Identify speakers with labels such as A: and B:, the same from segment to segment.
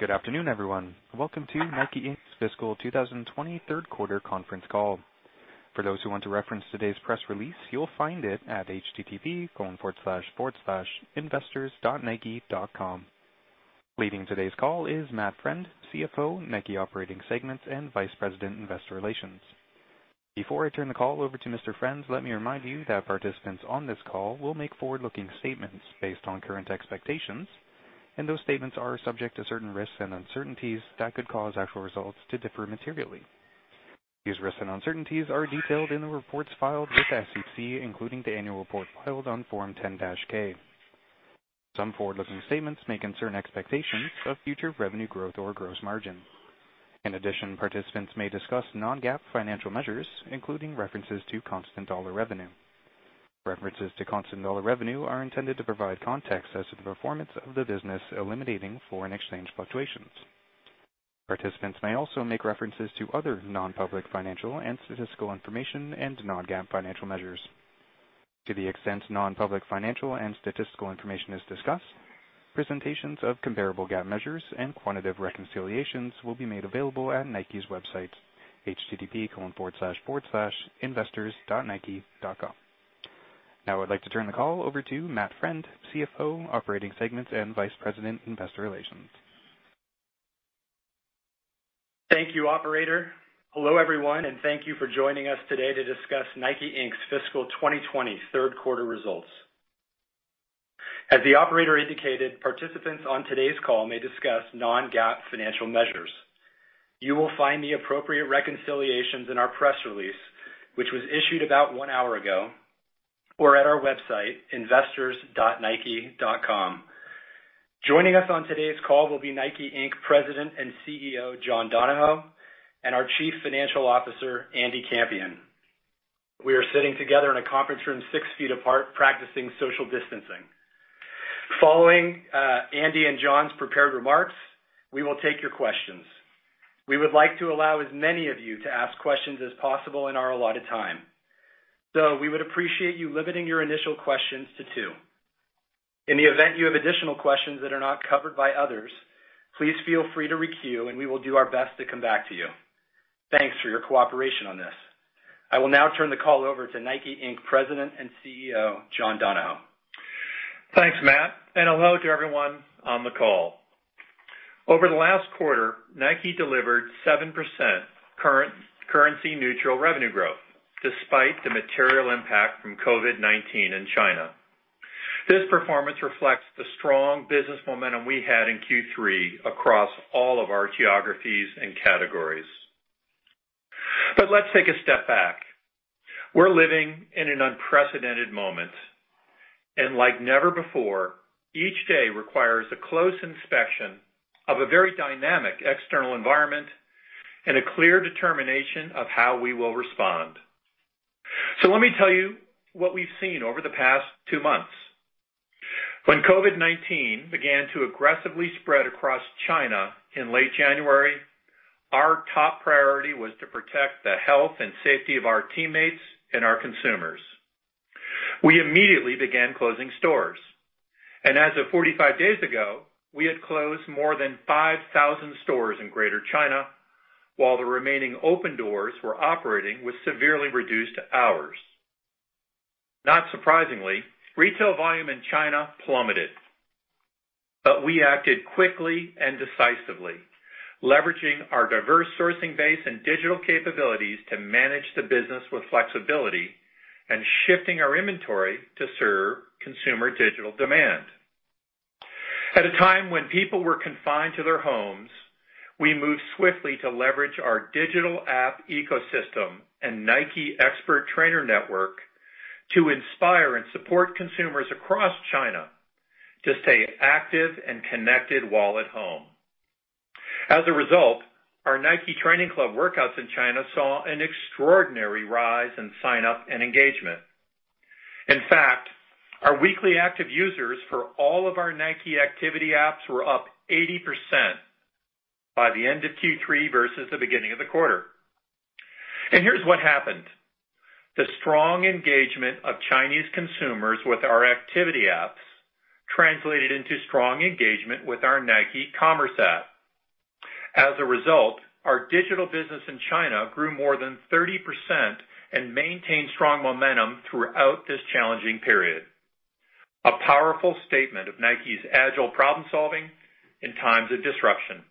A: Good afternoon, everyone. Welcome to NIKE, Inc.'s fiscal 2020 third quarter conference call. For those who want to reference today's press release, you'll find it at http://investors.nike.com. Leading today's call is Matthew Friend, CFO, Nike Operating Segments, and Vice President, Investor Relations. Before I turn the call over to Mr. Friend, let me remind you that participants on this call will make forward-looking statements based on current expectations, those statements are subject to certain risks and uncertainties that could cause actual results to differ materially. These risks and uncertainties are detailed in the reports filed with the SEC, including the annual report filed on Form 10-K. Some forward-looking statements may concern expectations of future revenue growth or gross margin. In addition, participants may discuss non-GAAP financial measures, including references to constant dollar revenue. References to constant dollar revenue are intended to provide context as to the performance of the business, eliminating foreign exchange fluctuations. Participants may also make references to other non-public financial and statistical information and non-GAAP financial measures. To the extent non-public financial and statistical information is discussed, presentations of comparable GAAP measures and quantitative reconciliations will be made available at Nike's website, http://investors.nike.com. Now I'd like to turn the call over to Matthew Friend, CFO, Operating Segments, and Vice President, Investor Relations.
B: Thank you, operator. Hello, everyone, thank you for joining us today to discuss Nike Inc.'s fiscal 2020 third quarter results. As the operator indicated, participants on today's call may discuss non-GAAP financial measures. You will find the appropriate reconciliations in our press release, which was issued about one hour ago, or at our website, investors.nike.com. Joining us on today's call will be Nike Inc. President and CEO, John Donahoe, and our Chief Financial Officer, Andy Campion. We are sitting together in a conference room six feet apart, practicing social distancing. Following Andy and John's prepared remarks, we will take your questions. We would like to allow as many of you to ask questions as possible in our allotted time. We would appreciate you limiting your initial questions to two. In the event you have additional questions that are not covered by others, please feel free to re-queue, and we will do our best to come back to you. Thanks for your cooperation on this. I will now turn the call over to NIKE, Inc. President and CEO, John Donahoe.
C: Thanks, Matt. Hello to everyone on the call. Over the last quarter, Nike delivered 7% currency-neutral revenue growth despite the material impact from COVID-19 in China. This performance reflects the strong business momentum we had in Q3 across all of our geographies and categories. Let's take a step back. We're living in an unprecedented moment, and like never before, each day requires a close inspection of a very dynamic external environment and a clear determination of how we will respond. Let me tell you what we've seen over the past two months. When COVID-19 began to aggressively spread across China in late January, our top priority was to protect the health and safety of our teammates and our consumers. We immediately began closing stores. As of 45 days ago, we had closed more than 5,000 stores in Greater China, while the remaining open doors were operating with severely reduced hours. Not surprisingly, retail volume in China plummeted. We acted quickly and decisively, leveraging our diverse sourcing base and digital capabilities to manage the business with flexibility and shifting our inventory to serve consumer digital demand. At a time when people were confined to their homes, we moved swiftly to leverage our digital app ecosystem and Nike expert trainer network to inspire and support consumers across China to stay active and connected while at home. As a result, our Nike Training Club workouts in China saw an extraordinary rise in sign-up and engagement. In fact, our weekly active users for all of our Nike activity apps were up 80% by the end of Q3 versus the beginning of the quarter. Here's what happened. The strong engagement of Chinese consumers with our activity apps translated into strong engagement with our Nike Commerce app. Our digital business in China grew more than 30% and maintained strong momentum throughout this challenging period. A powerful statement of Nike's agile problem-solving in times of disruption.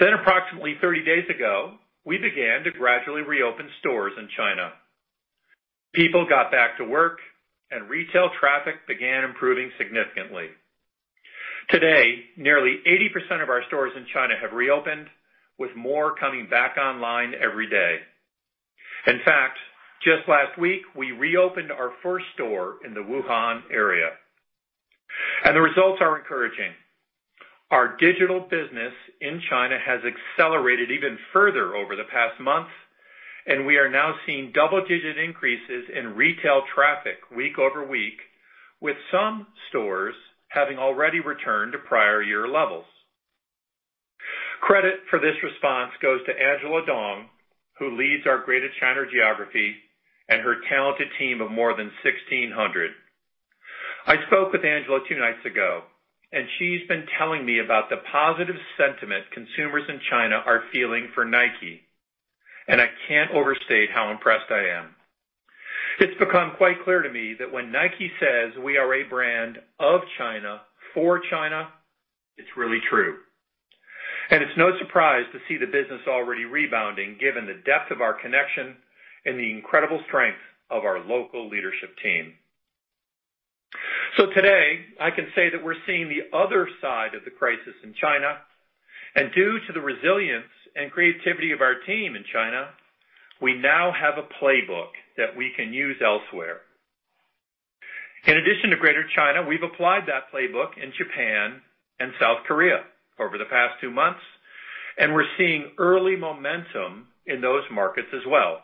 C: Approximately 30 days ago, we began to gradually reopen stores in China. People got back to work, and retail traffic began improving significantly. Today, nearly 80% of our stores in China have reopened, with more coming back online every day. In fact, just last week, we reopened our first store in the Wuhan area. The results are encouraging. Our digital business in China has accelerated even further over the past month, and we are now seeing double-digit increases in retail traffic week over week, with some stores having already returned to prior year levels. Credit for this response goes to Angela Dong, who leads our Greater China geography, and her talented team of more than 1,600. I spoke with Angela two nights ago, and she's been telling me about the positive sentiment consumers in China are feeling for Nike, and I can't overstate how impressed I am. It's become quite clear to me that when Nike says we are a brand of China, for China, it's really true. It's no surprise to see the business already rebounding given the depth of our connection and the incredible strength of our local leadership team. Today, I can say that we're seeing the other side of the crisis in China, and due to the resilience and creativity of our team in China, we now have a playbook that we can use elsewhere. In addition to Greater China, we've applied that playbook in Japan and South Korea over the past two months, and we're seeing early momentum in those markets as well.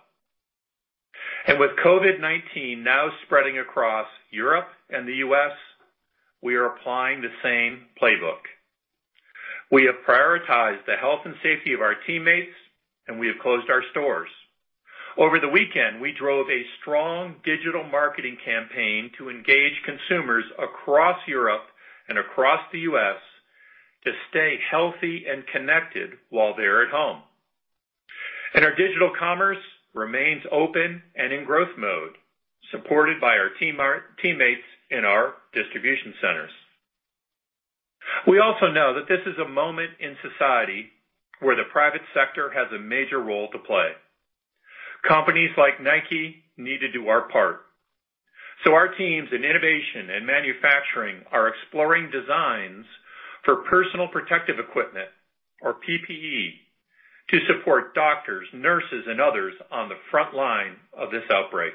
C: With COVID-19 now spreading across Europe and the U.S., we are applying the same playbook. We have prioritized the health and safety of our teammates, and we have closed our stores. Over the weekend, we drove a strong digital marketing campaign to engage consumers across Europe and across the U.S. to stay healthy and connected while they're at home. Our digital commerce remains open and in growth mode, supported by our teammates in our distribution centers. We also know that this is a moment in society where the private sector has a major role to play. Companies like Nike need to do our part. Our teams in innovation and manufacturing are exploring designs for personal protective equipment, or PPE, to support doctors, nurses, and others on the front line of this outbreak.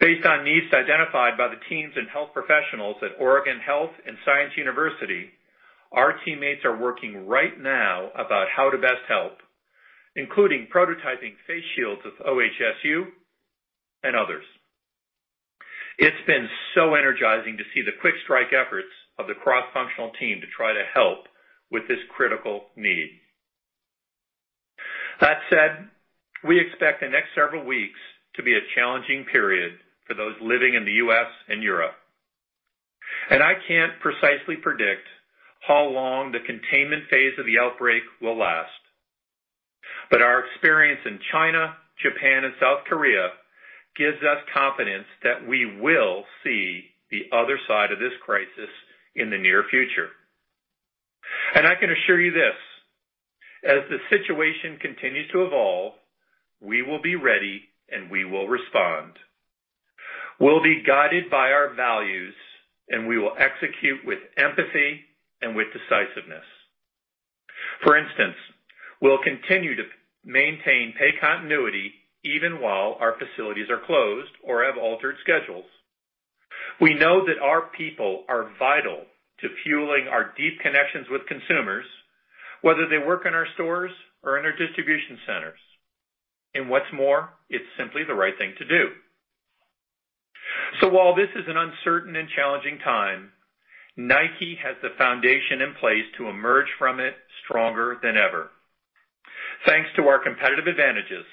C: Based on needs identified by the teams and health professionals at Oregon Health & Science University, our teammates are working right now about how to best help, including prototyping face shields with OHSU and others. It's been so energizing to see the quick strike efforts of the cross-functional team to try to help with this critical need. That said, we expect the next several weeks to be a challenging period for those living in the U.S. and Europe. I can't precisely predict how long the containment phase of the outbreak will last. Our experience in China, Japan, and South Korea gives us confidence that we will see the other side of this crisis in the near future. I can assure you this, as the situation continues to evolve, we will be ready and we will respond. We'll be guided by our values, and we will execute with empathy and with decisiveness. For instance, we'll continue to maintain pay continuity even while our facilities are closed or have altered schedules. We know that our people are vital to fueling our deep connections with consumers, whether they work in our stores or in our distribution centers. What's more, it's simply the right thing to do. While this is an uncertain and challenging time, Nike has the foundation in place to emerge from it stronger than ever. Thanks to our competitive advantages,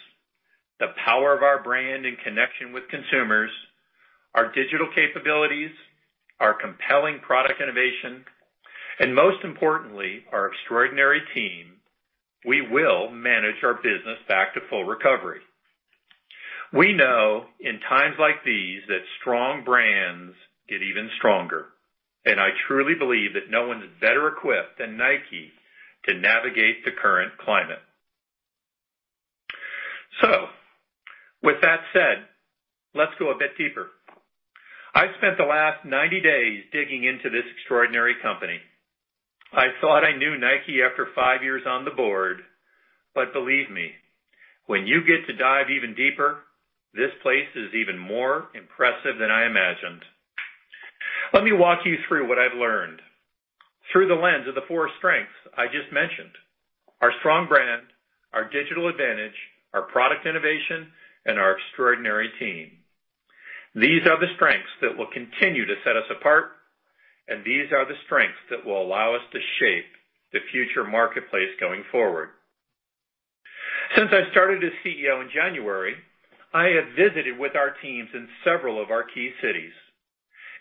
C: the power of our brand and connection with consumers, our digital capabilities, our compelling product innovation, and most importantly, our extraordinary team, we will manage our business back to full recovery. We know in times like these, that strong brands get even stronger, and I truly believe that no one is better equipped than Nike to navigate the current climate. With that said, let's go a bit deeper. I've spent the last 90 days digging into this extraordinary company. I thought I knew Nike after five years on the board, but believe me, when you get to dive even deeper, this place is even more impressive than I imagined. Let me walk you through what I've learned through the lens of the four strengths I just mentioned. Our strong brand, our digital advantage, our product innovation, and our extraordinary team. These are the strengths that will continue to set us apart, and these are the strengths that will allow us to shape the future marketplace going forward. Since I started as CEO in January, I have visited with our teams in several of our key cities,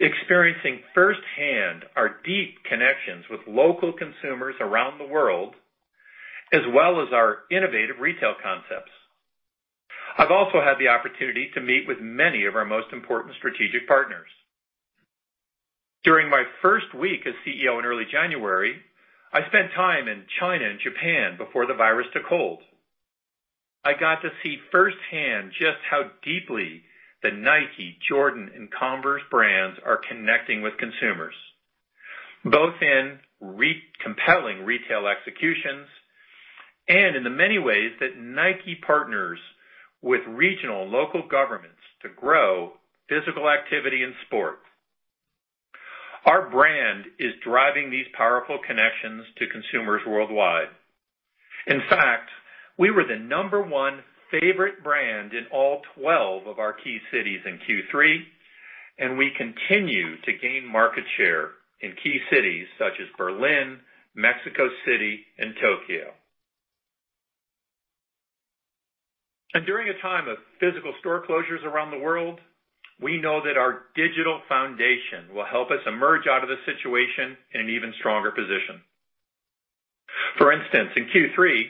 C: experiencing firsthand our deep connections with local consumers around the world, as well as our innovative retail concepts. I've also had the opportunity to meet with many of our most important strategic partners. During my first week as CEO in early January, I spent time in China and Japan before the virus took hold. I got to see firsthand just how deeply the Nike, Jordan, and Converse brands are connecting with consumers, both in compelling retail executions and in the many ways that Nike partners with regional local governments to grow physical activity and sport. Our brand is driving these powerful connections to consumers worldwide. In fact, we were the number one favorite brand in all 12 of our key cities in Q3, and we continue to gain market share in key cities such as Berlin, Mexico City, and Tokyo. During a time of physical store closures around the world, we know that our digital foundation will help us emerge out of this situation in an even stronger position. For instance, in Q3,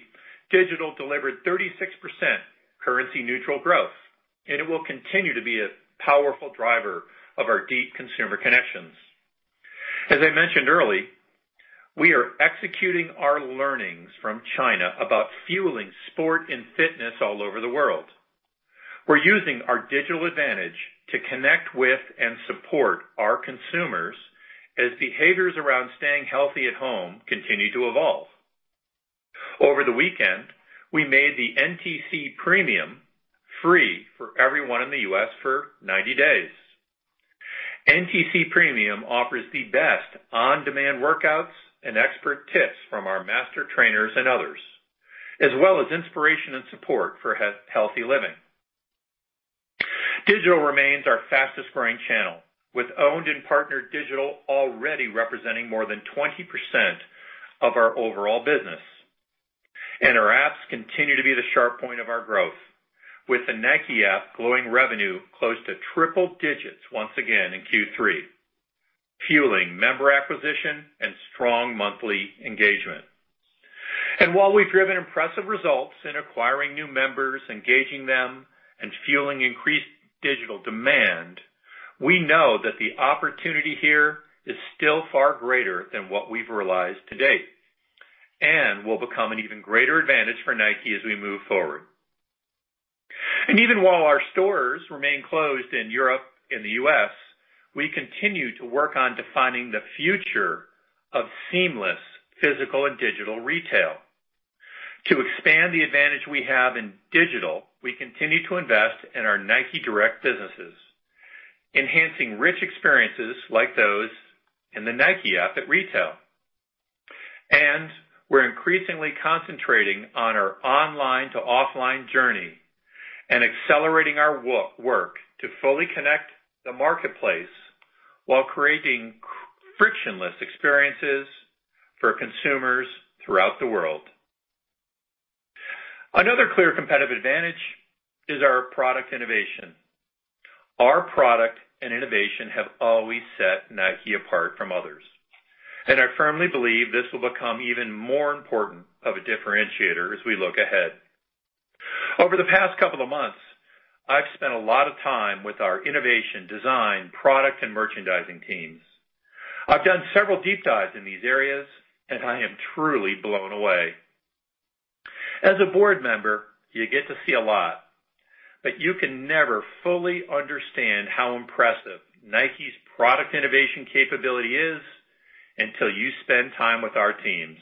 C: digital delivered 36% currency-neutral growth, and it will continue to be a powerful driver of our deep consumer connections. As I mentioned earlier, we are executing our learnings from China about fueling sport and fitness all over the world. We're using our digital advantage to connect with and support our consumers as behaviors around staying healthy at home continue to evolve. Over the weekend, we made the NTC Premium free for everyone in the U.S. for 90 days. NTC Premium offers the best on-demand workouts and expert tips from our master trainers and others, as well as inspiration and support for healthy living. Digital remains our fastest growing channel, with owned and partnered digital already representing more than 20% of our overall business. Our apps continue to be the sharp point of our growth, with the Nike App growing revenue close to triple digits once again in Q3, fueling member acquisition and strong monthly engagement. While we've driven impressive results in acquiring new members, engaging them, and fueling increased digital demand, we know that the opportunity here is still far greater than what we've realized to date, and will become an even greater advantage for Nike as we move forward. Even while our stores remain closed in Europe and the U.S., we continue to work on defining the future of seamless physical and digital retail. To expand the advantage we have in digital, we continue to invest in our NIKE Direct businesses, enhancing rich experiences like those in the Nike App at retail. We're increasingly concentrating on our online to offline journey and accelerating our work to fully connect the marketplace while creating frictionless experiences for consumers throughout the world. Another clear competitive advantage is our product innovation. Our product and innovation have always set NIKE apart from others, and I firmly believe this will become even more important of a differentiator as we look ahead. Over the past couple of months, I've spent a lot of time with our innovation, design, product, and merchandising teams. I've done several deep dives in these areas, and I am truly blown away. As a board member, you get to see a lot, but you can never fully understand how impressive Nike's product innovation capability is until you spend time with our teams.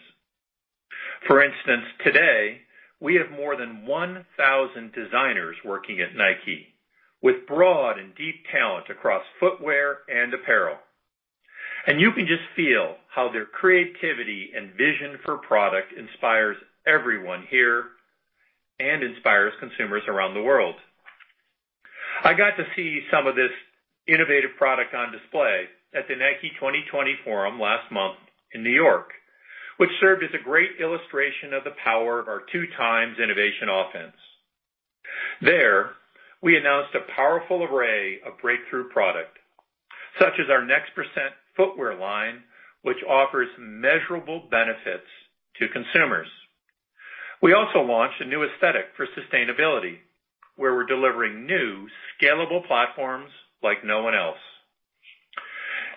C: For instance, today, we have more than 1,000 designers working at Nike with broad and deep talent across footwear and apparel. You can just feel how their creativity and vision for product inspires everyone here and inspires consumers around the world. I got to see some of this innovative product on display at the Nike 2020 forum last month in N.Y., which served as a great illustration of the power of our two times Innovation offense. There, we announced a powerful array of breakthrough product, such as our Next% footwear line, which offers measurable benefits to consumers. We also launched a new aesthetic for sustainability, where we're delivering new scalable platforms like no one else.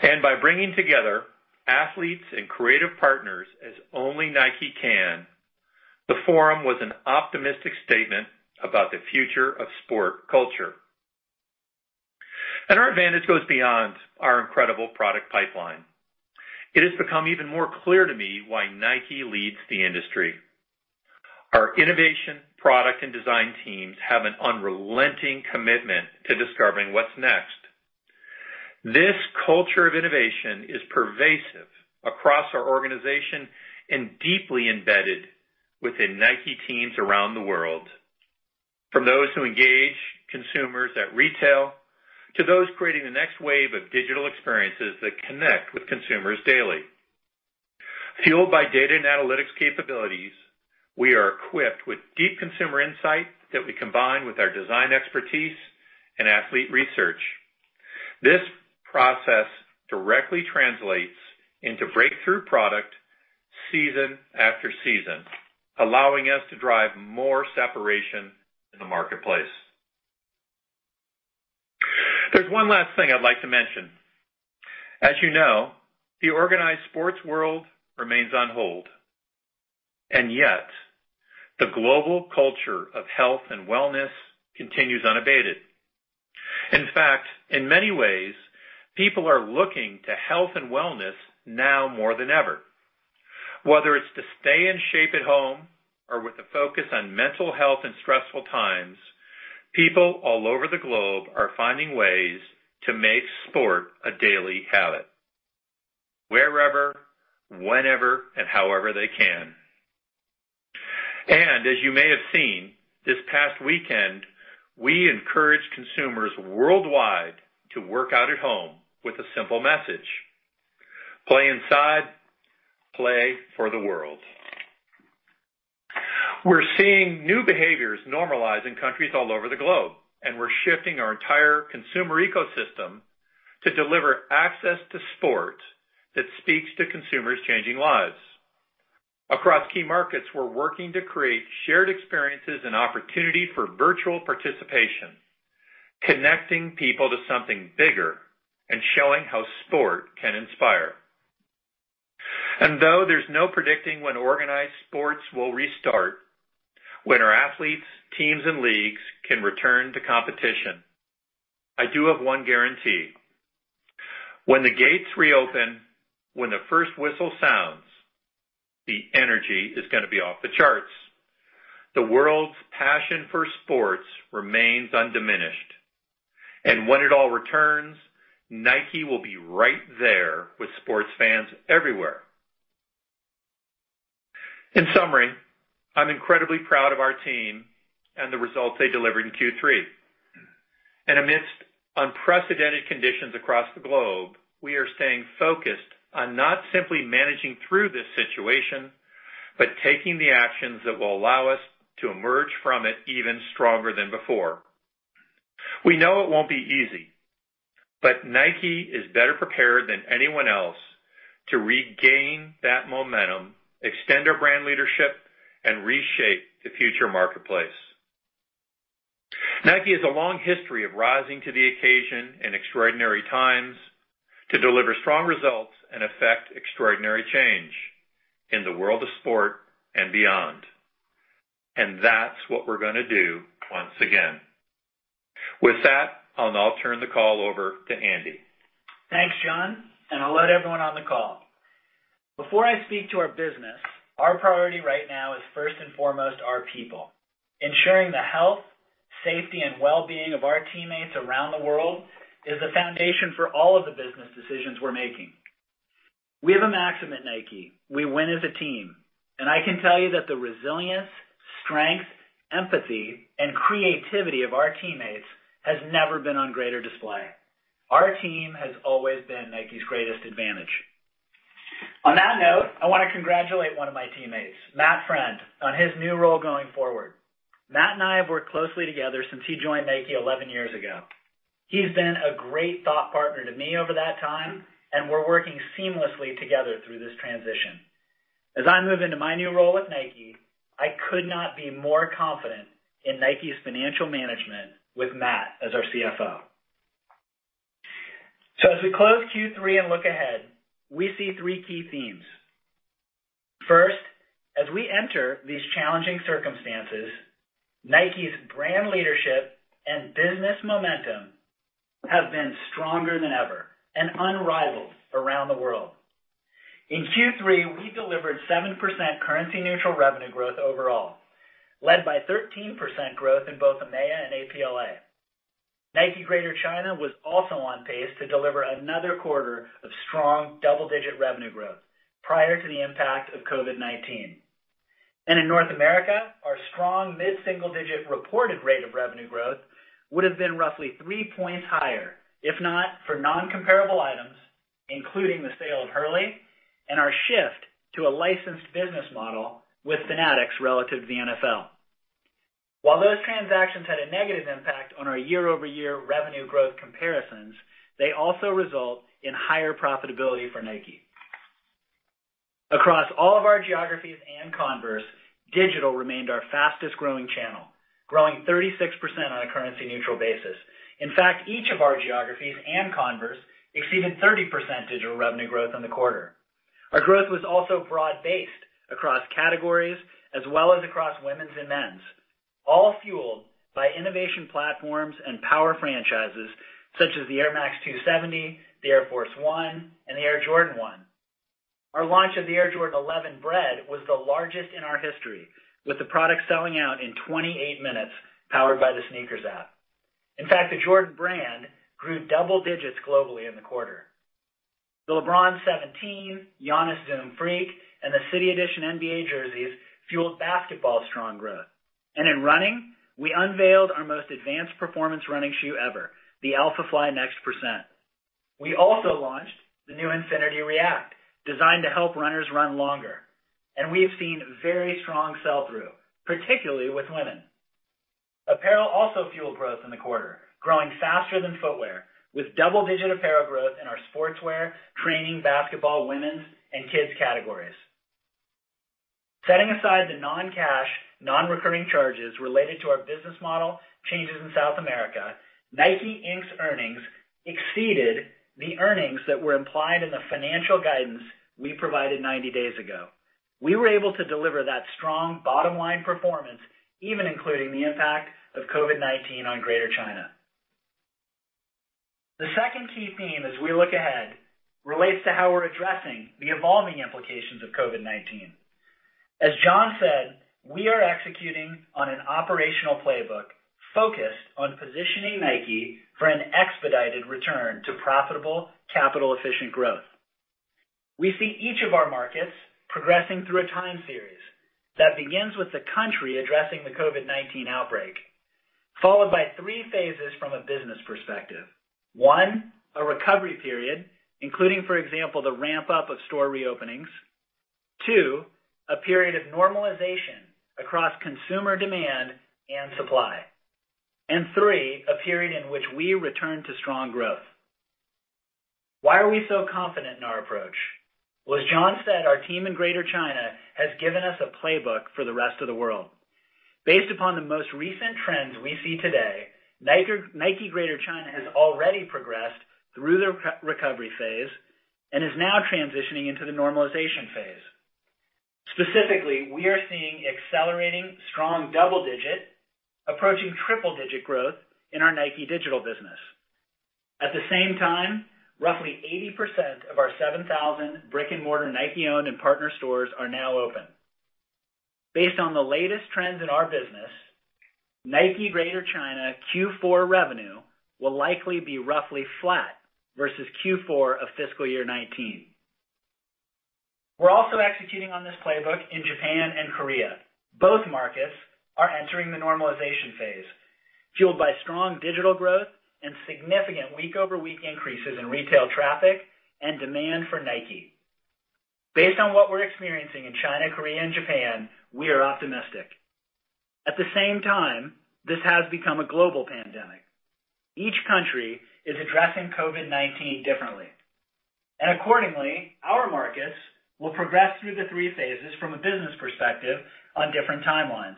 C: By bringing together athletes and creative partners as only NIKE can, the forum was an optimistic statement about the future of sport culture. Our advantage goes beyond our incredible product pipeline. It has become even more clear to me why NIKE leads the industry. Our innovation, product, and design teams have an unrelenting commitment to discovering what's next. This culture of innovation is pervasive across our organization and deeply embedded within NIKE teams around the world, from those who engage consumers at retail to those creating the next wave of digital experiences that connect with consumers daily. Fueled by data and analytics capabilities, we are equipped with deep consumer insight that we combine with our design expertise and athlete research. This process directly translates into breakthrough product season after season, allowing us to drive more separation in the marketplace. There's one last thing I'd like to mention. As you know, the organized sports world remains on hold, yet the global culture of health and wellness continues unabated. In fact, in many ways, people are looking to health and wellness now more than ever. Whether it's to stay in shape at home or with a focus on mental health and stressful times, people all over the globe are finding ways to make sport a daily habit. Wherever, whenever, and however they can. As you may have seen this past weekend, we encouraged consumers worldwide to work out at home with a simple message, "Play inside, play for the world." We're seeing new behaviors normalize in countries all over the globe, and we're shifting our entire consumer ecosystem to deliver access to sport that speaks to consumers' changing lives. Across key markets, we're working to create shared experiences and opportunity for virtual participation, connecting people to something bigger and showing how sport can inspire. Though there's no predicting when organized sports will restart, when our athletes, teams, and leagues can return to competition, I do have one guarantee. When the gates reopen, when the first whistle sounds, the energy is going to be off the charts. The world's passion for sports remains undiminished. When it all returns, Nike will be right there with sports fans everywhere. In summary, I'm incredibly proud of our team and the results they delivered in Q3. Amidst unprecedented conditions across the globe, we are staying focused on not simply managing through this situation, but taking the actions that will allow us to emerge from it even stronger than before. We know it won't be easy, but Nike is better prepared than anyone else to regain that momentum, extend our brand leadership, and reshape the future marketplace. Nike has a long history of rising to the occasion in extraordinary times to deliver strong results and effect extraordinary change in the world of sport and beyond. That's what we're going to do once again. With that, I'll now turn the call over to Andy.
D: Thanks, John. Hello to everyone on the call. Before I speak to our business, our priority right now is first and foremost our people. Ensuring the health, safety, and well-being of our teammates around the world is the foundation for all of the business decisions we're making. We have a maxim at Nike. We win as a team, and I can tell you that the resilience, strength, empathy, and creativity of our teammates has never been on greater display. Our team has always been Nike's greatest advantage. On that note, I want to congratulate one of my teammates, Matt Friend, on his new role going forward. Matt and I have worked closely together since he joined Nike 11 years ago. He's been a great thought partner to me over that time, and we're working seamlessly together through this transition. As I move into my new role at Nike, I could not be more confident in Nike's financial management with Matt as our CFO. As we close Q3 and look ahead, we see three key themes. First, as we enter these challenging circumstances, Nike's brand leadership and business momentum have been stronger than ever and unrivaled around the world. In Q3, we delivered 7% currency-neutral revenue growth overall, led by 13% growth in both EMEA and APLA. Nike Greater China was also on pace to deliver another quarter of strong double-digit revenue growth prior to the impact of COVID-19. In North America, our strong mid-single-digit reported rate of revenue growth would have been roughly three points higher if not for non-comparable items, including the sale of Hurley and our shift to a licensed business model with Fanatics relative to the NFL. While those transactions had a negative impact on our year-over-year revenue growth comparisons, they also result in higher profitability for Nike. Across all of our geographies and Converse, digital remained our fastest-growing channel, growing 36% on a currency-neutral basis. Each of our geographies and Converse exceeded 30% digital revenue growth in the quarter. Our growth was also broad-based across categories as well as across women's and men's, all fueled by innovation platforms and power franchises such as the Air Max 270, the Air Force 1, and the Air Jordan 1. Our launch of the Air Jordan 11 'Bred' was the largest in our history, with the product selling out in 28 minutes, powered by the SNKRS App. The Jordan Brand grew double digits globally in the quarter. The LeBron 17, Giannis Zoom Freak, and the City Edition NBA jerseys fueled basketball's strong growth. In running, we unveiled our most advanced performance running shoe ever, the Alphafly NEXT%. We also launched the new Nike React Infinity, designed to help runners run longer, and we have seen very strong sell-through, particularly with women. Apparel also fueled growth in the quarter, growing faster than footwear, with double-digit apparel growth in our sportswear, training, basketball, women's, and kids categories. Setting aside the non-cash, non-recurring charges related to our business model changes in South America, NIKE, Inc.'s earnings exceeded the earnings that were implied in the financial guidance we provided 90 days ago. We were able to deliver that strong bottom-line performance even including the impact of COVID-19 on Greater China. The second key theme as we look ahead relates to how we're addressing the evolving implications of COVID-19. As John said, we are executing on an operational playbook focused on positioning Nike for an expedited return to profitable capital-efficient growth. We see each of our markets progressing through a time series that begins with the country addressing the COVID-19 outbreak, followed by three phases from a business perspective. One, a recovery period, including, for example, the ramp-up of store reopenings. Two, a period of normalization across consumer demand and supply. Three, a period in which we return to strong growth. Why are we so confident in our approach? Well, as John said, our team in Greater China has given us a playbook for the rest of the world. Based upon the most recent trends we see today, Nike Greater China has already progressed through the recovery phase and is now transitioning into the normalization phase. Specifically, we are seeing accelerating strong double-digit, approaching triple-digit growth in our Nike digital business. At the same time, roughly 80% of our 7,000 brick-and-mortar Nike-owned and partner stores are now open. Based on the latest trends in our business, Nike Greater China Q4 revenue will likely be roughly flat versus Q4 of fiscal year 2019. We're also executing on this playbook in Japan and Korea. Both markets are entering the normalization phase, fueled by strong digital growth and significant week-over-week increases in retail traffic and demand for Nike. Based on what we're experiencing in China, Korea, and Japan, we are optimistic. At the same time, this has become a global pandemic. Each country is addressing COVID-19 differently. Accordingly, our markets will progress through the three phases from a business perspective on different timelines.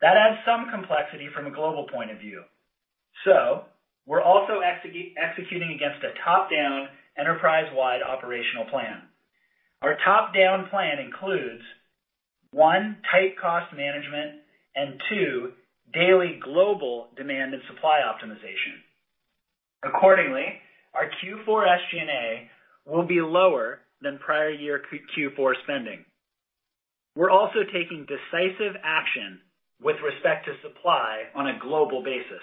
D: That adds some complexity from a global point of view. We're also executing against a top-down, enterprise-wide operational plan. Our top-down plan includes, one, tight cost management and two, daily global demand and supply optimization. Accordingly, our Q4 SG&A will be lower than prior year Q4 spending. We're also taking decisive action with respect to supply on a global basis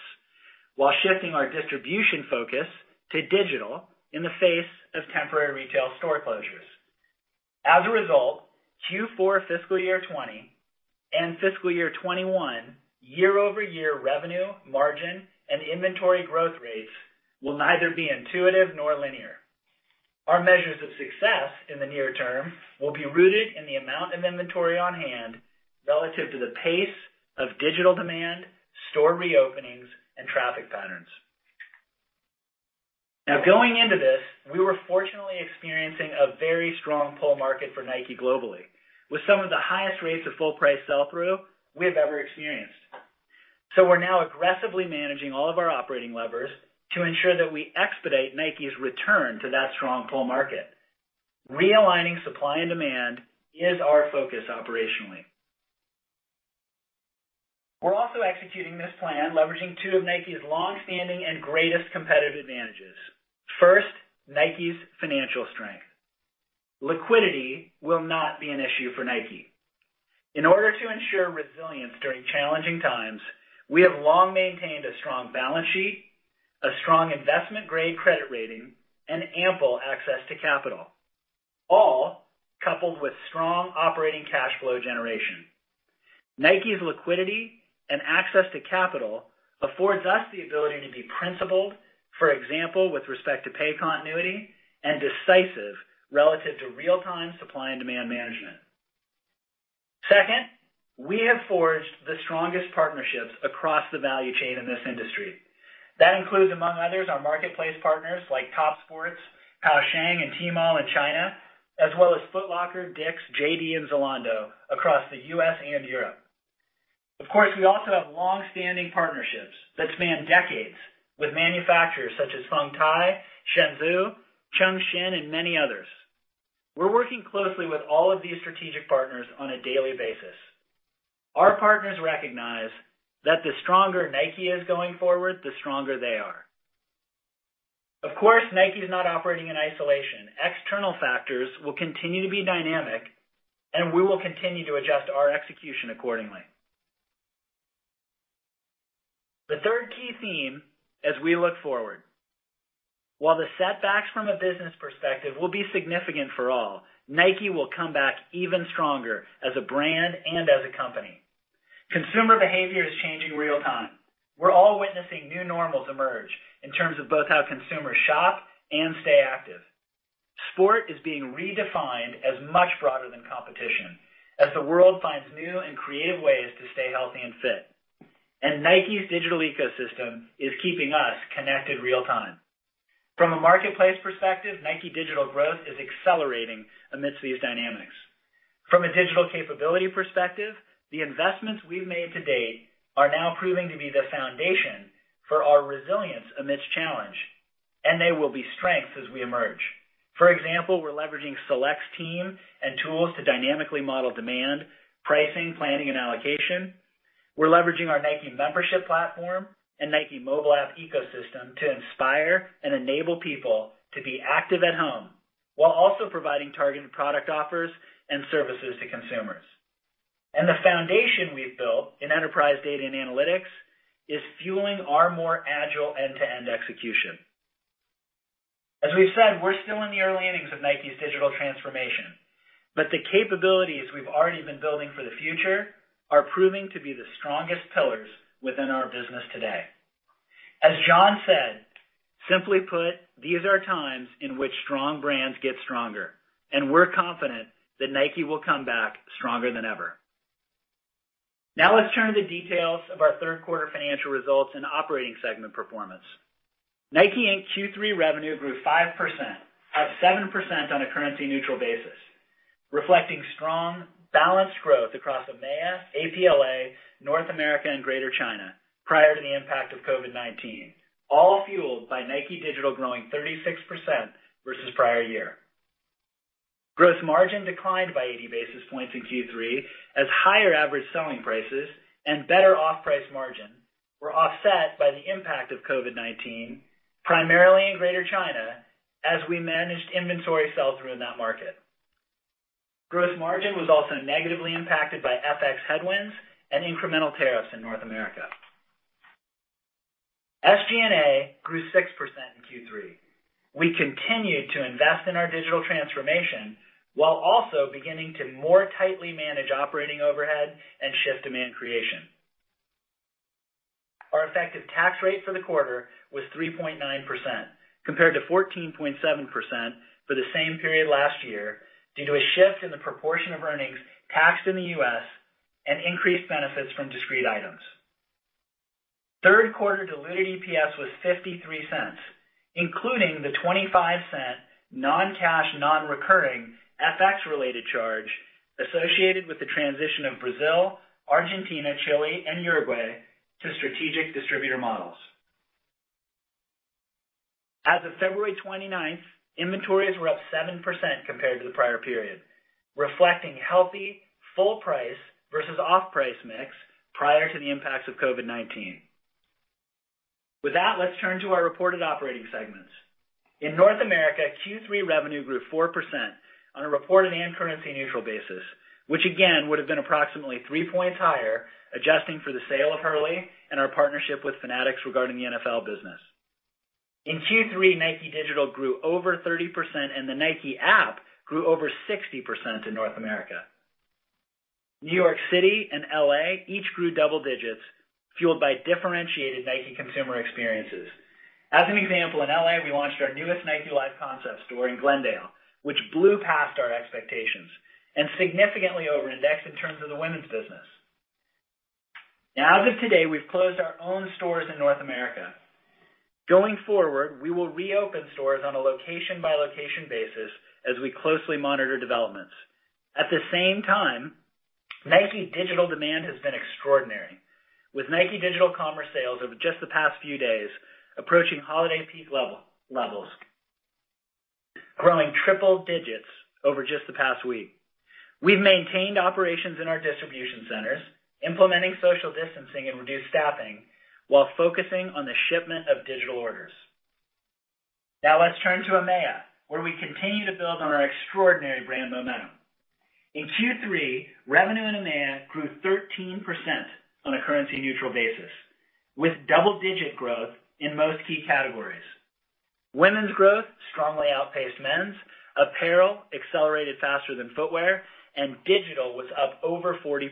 D: while shifting our distribution focus to digital in the face of temporary retail store closures. As a result, Q4 fiscal year 2020 and fiscal year 2021 year-over-year revenue, margin, and inventory growth rates will neither be intuitive nor linear. Our measures of success in the near term will be rooted in the amount of inventory on hand relative to the pace of digital demand, store reopenings, and traffic patterns. Going into this, we were fortunately experiencing a very strong pull market for Nike globally with some of the highest rates of full price sell-through we have ever experienced. We're now aggressively managing all of our operating levers to ensure that we expedite Nike's return to that strong pull market. Realigning supply and demand is our focus operationally. We're also executing this plan leveraging two of Nike's long-standing and greatest competitive advantages. First, Nike's financial strength. Liquidity will not be an issue for Nike. In order to ensure resilience during challenging times, we have long maintained a strong balance sheet, a strong investment-grade credit rating, and ample access to capital, all coupled with strong operating cash flow generation. Nike's liquidity and access to capital affords us the ability to be principled, for example, with respect to pay continuity and decisive relative to real-time supply and demand management. We have forged the strongest partnerships across the value chain in this industry. That includes, among others, our marketplace partners like Topsports, Pou Sheng, and Tmall in China, as well as Foot Locker, DICK'S, JD Sports, and Zalando across the U.S. and Europe. Of course, we also have long-standing partnerships that span decades with manufacturers such as Feng Tay, Shenzhou, Chang Shin, and many others. We're working closely with all of these strategic partners on a daily basis. Our partners recognize that the stronger Nike is going forward, the stronger they are. Of course, Nike is not operating in isolation. External factors will continue to be dynamic, we will continue to adjust our execution accordingly. The third key theme as we look forward. While the setbacks from a business perspective will be significant for all, Nike will come back even stronger as a brand and as a company. Consumer behavior is changing real time. We're all witnessing new normals emerge in terms of both how consumers shop and stay active. Sport is being redefined as much broader than competition as the world finds new and creative ways to stay healthy and fit. Nike's digital ecosystem is keeping us connected real-time. From a marketplace perspective, Nike digital growth is accelerating amidst these dynamics. From a digital capability perspective, the investments we've made to date are now proving to be the foundation for our resilience amidst challenge, and they will be strengths as we emerge. For example, we're leveraging Celect's team and tools to dynamically model demand, pricing, planning, and allocation. We're leveraging our Nike Membership platform and Nike App ecosystem to inspire and enable people to be active at home while also providing targeted product offers and services to consumers. The foundation we've built in enterprise data and analytics is fueling our more agile end-to-end execution. As we've said, we're still in the early innings of Nike's digital transformation, but the capabilities we've already been building for the future are proving to be the strongest pillars within our business today. As John said, simply put, these are times in which strong brands get stronger, and we're confident that Nike will come back stronger than ever. Let's turn to the details of our third quarter financial results and operating segment performance. NIKE, Inc. Q3 revenue grew 5%, up 7% on a currency neutral basis, reflecting strong, balanced growth across EMEA, APLA, North America, and Greater China prior to the impact of COVID-19, all fueled by Nike Digital growing 36% versus prior year. Gross margin declined by 80 basis points in Q3 as higher average selling prices and better off-price margin were offset by the impact of COVID-19, primarily in Greater China, as we managed inventory sell-through in that market. Gross margin was also negatively impacted by FX headwinds and incremental tariffs in North America. SG&A grew 6% in Q3. We continued to invest in our digital transformation while also beginning to more tightly manage operating overhead and shift demand creation. Our effective tax rate for the quarter was 3.9%, compared to 14.7% for the same period last year, due to a shift in the proportion of earnings taxed in the U.S. and increased benefits from discrete items. Third quarter diluted EPS was $0.53, including the $0.25 non-cash, non-recurring FX related charge associated with the transition of Brazil, Argentina, Chile, and Uruguay to strategic distributor models. As of February 29th, inventories were up 7% compared to the prior period, reflecting healthy full price versus off-price mix prior to the impacts of COVID-19. With that, let's turn to our reported operating segments. In North America, Q3 revenue grew 4% on a reported and currency neutral basis, which again, would have been approximately three points higher, adjusting for the sale of Hurley and our partnership with Fanatics regarding the NFL business. In Q3, Nike Digital grew over 30% and the Nike App grew over 60% in North America. New York City and L.A. each grew double digits fueled by differentiated Nike consumer experiences. As an example, in L.A., we launched our newest Nike Live concept store in Glendale, which blew past our expectations and significantly over-indexed in terms of the women's business. As of today, we've closed our own stores in North America. Going forward, we will reopen stores on a location-by-location basis as we closely monitor developments. At the same time, Nike digital demand has been extraordinary with Nike digital commerce sales over just the past few days approaching holiday peak levels, growing triple digits over just the past week. We've maintained operations in our distribution centers, implementing social distancing and reduced staffing while focusing on the shipment of digital orders. Now let's turn to EMEA, where we continue to build on our extraordinary brand momentum. In Q3, revenue in EMEA grew 13% on a currency neutral basis with double-digit growth in most key categories. Women's growth strongly outpaced men's, apparel accelerated faster than footwear, and digital was up over 40%.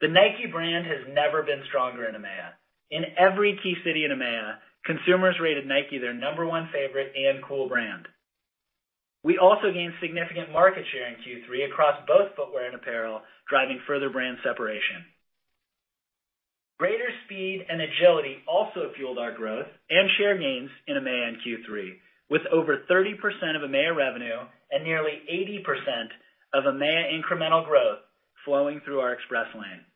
D: The Nike brand has never been stronger in EMEA. In every key city in EMEA, consumers rated Nike their number 1 favorite and cool brand. We also gained significant market share in Q3 across both footwear and apparel, driving further brand separation. Greater speed and agility also fueled our growth and share gains in EMEA in Q3 with over 30% of EMEA revenue and nearly 80% of EMEA incremental growth flowing through our Express Lane.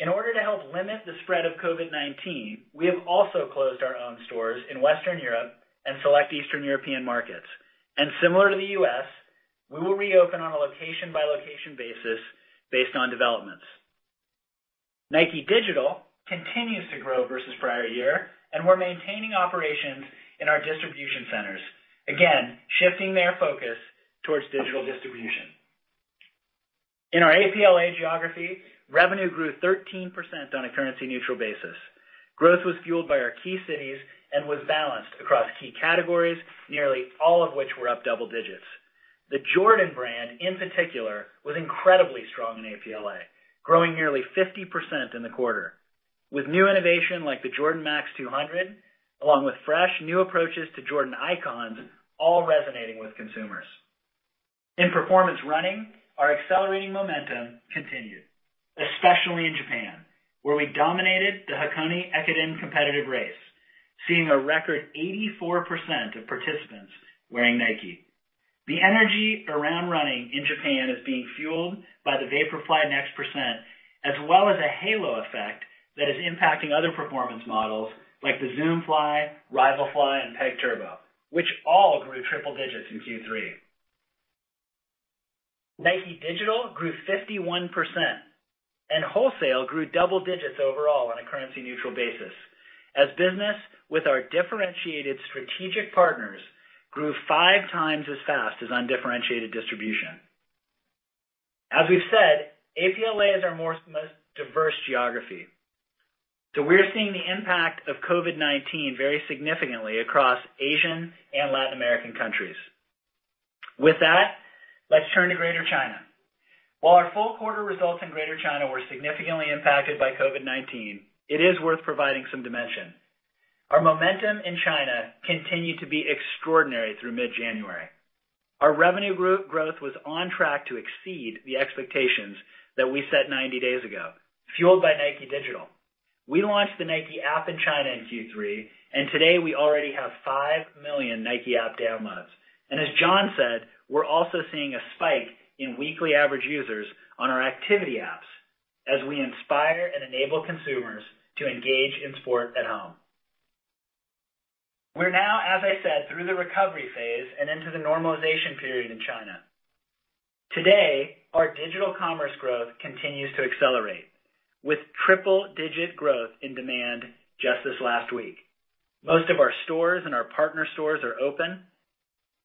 D: In order to help limit the spread of COVID-19, we have also closed our own stores in Western Europe and select Eastern European markets. Similar to the U.S., we will reopen on a location-by-location basis based on developments. Nike Digital continues to grow versus prior year, and we're maintaining operations in our distribution centers, again, shifting their focus towards digital distribution. In our APLA geography, revenue grew 13% on a currency neutral basis. Growth was fueled by our key cities and was balanced across key categories, nearly all of which were up double digits. The Jordan Brand, in particular, was incredibly strong in APLA, growing nearly 50% in the quarter, with new innovation like the Jordan Max 200, along with fresh new approaches to Jordan icons, all resonating with consumers. In performance running, our accelerating momentum continued, especially in Japan, where we dominated the Hakone Ekiden competitive race, seeing a record 84% of participants wearing Nike. The energy around running in Japan is being fueled by the Vaporfly NEXT% as well as a halo effect that is impacting other performance models like the Zoom Fly, Rival Fly, and Peg Turbo, which all grew triple digits in Q3. Nike Digital grew 51%. Wholesale grew double digits overall on a currency neutral basis. Business with our differentiated strategic partners grew five times as fast as undifferentiated distribution. We've said, APLA is our most diverse geography. We're seeing the impact of COVID-19 very significantly across Asian and Latin American countries. With that, let's turn to Greater China. While our full quarter results in Greater China were significantly impacted by COVID-19, it is worth providing some dimension. Our momentum in China continued to be extraordinary through mid-January. Our revenue growth was on track to exceed the expectations that we set 90 days ago, fueled by Nike Digital. We launched the Nike App in China in Q3, and today we already have five million Nike App downloads. As John said, we're also seeing a spike in weekly average users on our activity apps as we inspire and enable consumers to engage in sport at home. We're now, as I said, through the recovery phase and into the normalization period in China. Today, our digital commerce growth continues to accelerate with triple digit growth in demand just this last week. Most of our stores and our partner stores are open.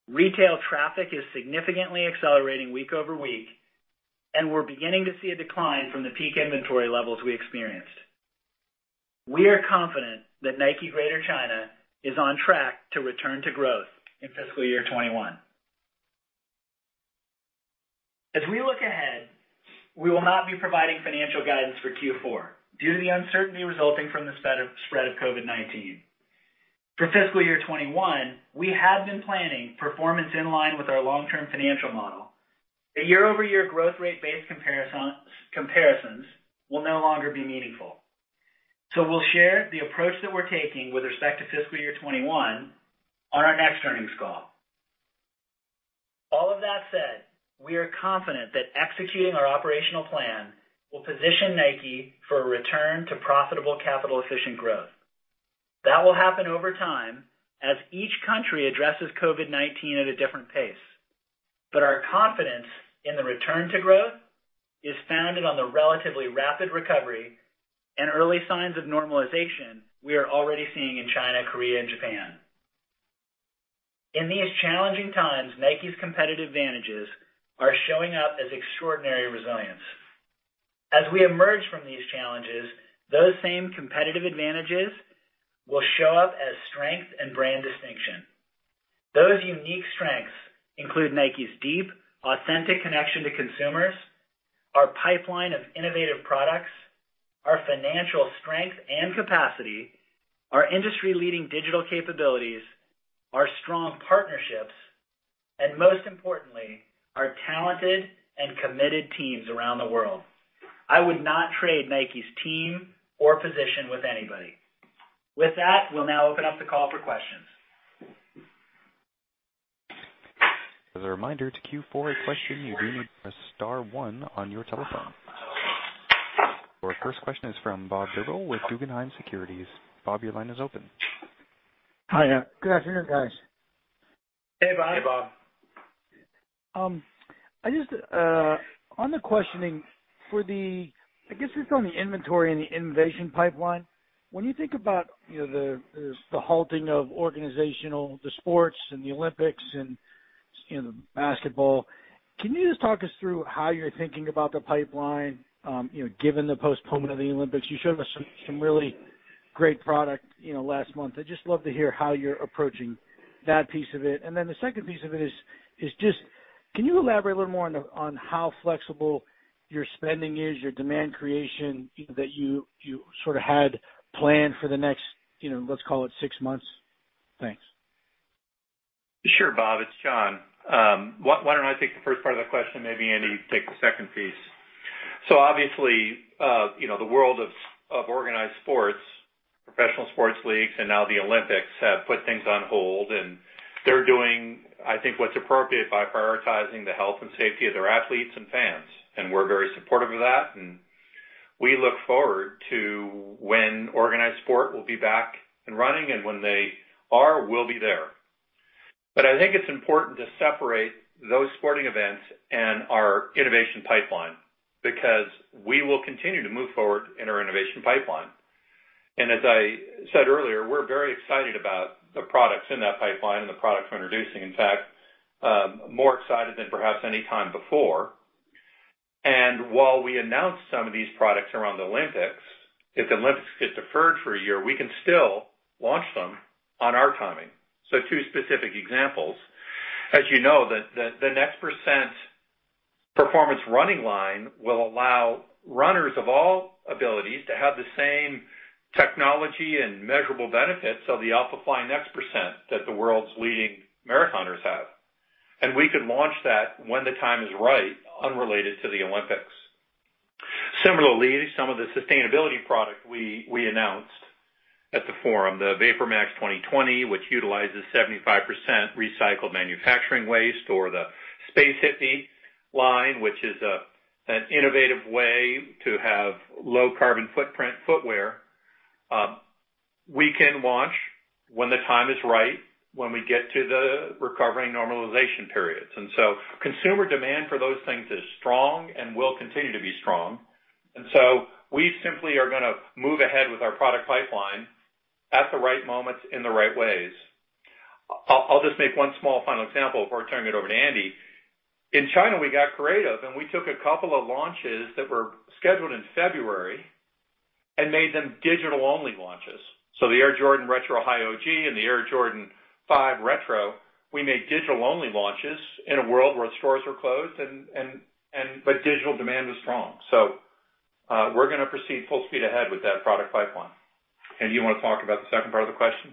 D: Retail traffic is significantly accelerating week-over-week, and we're beginning to see a decline from the peak inventory levels we experienced. We are confident that Nike Greater China is on track to return to growth in fiscal year 2021. As we look ahead, we will not be providing financial guidance for Q4 due to the uncertainty resulting from the spread of COVID-19. For fiscal year 2021, we have been planning performance in line with our long term financial model. The year-over-year growth rate based comparisons will no longer be meaningful. We'll share the approach that we're taking with respect to fiscal year 2021 on our next earnings call. All of that said, we are confident that executing our operational plan will position Nike for a return to profitable capital efficient growth. That will happen over time as each country addresses COVID-19 at a different pace. Our confidence in the return to growth is founded on the relatively rapid recovery and early signs of normalization we are already seeing in China, Korea and Japan. In these challenging times, Nike's competitive advantages are showing up as extraordinary resilience. As we emerge from these challenges, those same competitive advantages will show up as strength and brand distinction. Those unique strengths include Nike's deep, authentic connection to consumers, our pipeline of innovative products, our financial strength and capacity, our industry leading digital capabilities, our strong partnerships and most importantly, our talented and committed teams around the world. I would not trade Nike's team or position with anybody. With that, we'll now open up the call for questions.
A: As a reminder, to queue for a question, you do need to press star one on your telephone. Your first question is from Robert Drbul with Guggenheim Securities. Bob, your line is open.
E: Hiya. Good afternoon, guys.
D: Hey, Bob.
C: Hey, Bob.
E: On the questioning for the, I guess just on the inventory and the innovation pipeline. When you think about the halting of organizational, the sports and the Olympics and basketball, can you just talk us through how you're thinking about the pipeline given the postponement of the Olympics? You showed us some really great product last month. I'd just love to hear how you're approaching that piece of it. The second piece of it is just, can you elaborate a little more on how flexible your spending is, your demand creation that you sort of had planned for the next, let's call it six months? Thanks.
C: Sure, Bob, it's John. Why don't I take the first part of the question, maybe Andy take the second piece. Obviously, the world of organized sports, professional sports leagues, and now the Olympics have put things on hold, and they're doing, I think, what's appropriate by prioritizing the health and safety of their athletes and fans, and we're very supportive of that. We look forward to when organized sport will be back and running, and when they are, we'll be there. I think it's important to separate those sporting events and our innovation pipeline, because we will continue to move forward in our innovation pipeline. As I said earlier, we're very excited about the products in that pipeline and the products we're introducing. In fact, more excited than perhaps any time before. While we announced some of these products around the Olympics, if the Olympics get deferred for a year, we can still launch them on our timing. Two specific examples. As you know, the NEXT% performance running line will allow runners of all abilities to have the same technology and measurable benefits of the Alphafly NEXT% that the world's leading marathoners have. We could launch that when the time is right, unrelated to the Olympics. Similarly, some of the sustainability product we announced at the forum, the VaporMax 2020, which utilizes 75% recycled manufacturing waste, or the Space Hippie line, which is an innovative way to have low carbon footprint footwear. We can launch when the time is right, when we get to the recovery normalization periods. Consumer demand for those things is strong and will continue to be strong. We simply are going to move ahead with our product pipeline at the right moments, in the right ways. I'll just make one small final example before turning it over to Andy. In China, we got creative, and we took a couple of launches that were scheduled in February and made them digital-only launches. The Air Jordan Retro High OG and the Air Jordan 5 Retro, we made digital-only launches in a world where stores were closed, but digital demand was strong. We're going to proceed full speed ahead with that product pipeline. Andy, you want to talk about the second part of the question?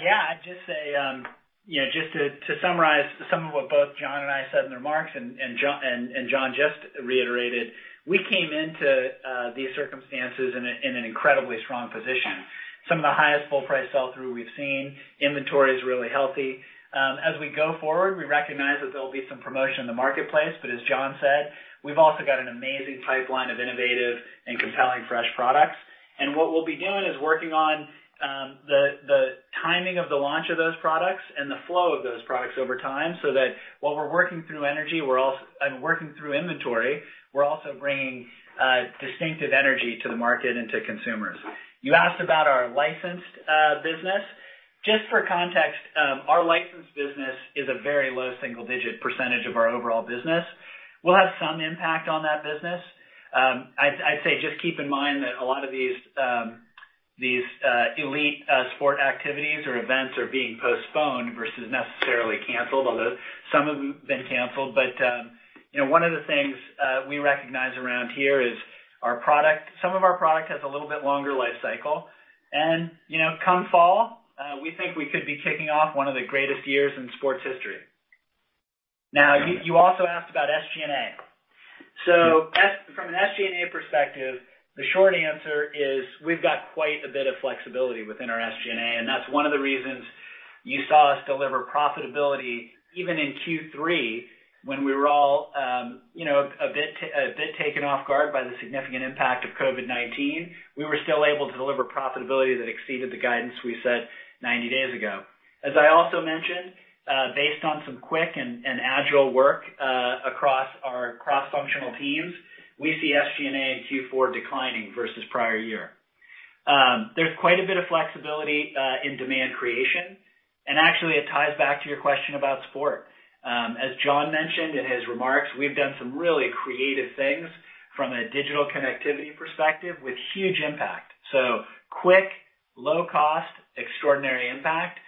D: Yeah. Just to summarize some of what both John and I said in the remarks and John just reiterated, we came into these circumstances in an incredibly strong position. Some of the highest full price sell-through we've seen. Inventory is really healthy. As we go forward, we recognize that there'll be some promotion in the marketplace, but as John said, we've also got an amazing pipeline of innovative and compelling fresh products. What we'll be doing is working on the timing of the launch of those products and the flow of those products over time, so that while we're working through energy and working through inventory, we're also bringing distinctive energy to the market and to consumers. You asked about our licensed business. Just for context, our licensed business is a very low single-digit percentage of our overall business. We'll have some impact on that business. I'd say, just keep in mind that a lot of these elite sport activities or events are being postponed versus necessarily canceled, although some of them have been canceled. One of the things we recognize around here is some of our product has a little bit longer life cycle. Come fall, we think we could be kicking off one of the greatest years in sports history. You also asked about SG&A. From an SG&A perspective, the short answer is we've got quite a bit of flexibility within our SG&A, and that's one of the reasons you saw us deliver profitability even in Q3 when we were all a bit taken off guard by the significant impact of COVID-19. We were still able to deliver profitability that exceeded the guidance we set 90 days ago. As I also mentioned, based on some quick and agile work across our cross-functional teams, we see SG&A in Q4 declining versus prior year. There's quite a bit of flexibility in demand creation. Actually, it ties back to your question about sport. As John mentioned in his remarks, we've done some really creative things from a digital connectivity perspective with huge impact. Quick, low cost, extraordinary impact.